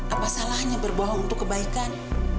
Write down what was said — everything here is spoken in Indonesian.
apa salahnya berbohong untuk kebaikan